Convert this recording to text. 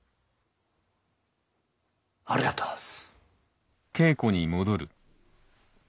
ありがとうございます。